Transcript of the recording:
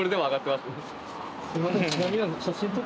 すいません。